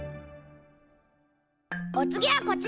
おつぎはこちら！